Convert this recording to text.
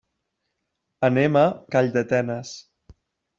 Anem a Calldetenes.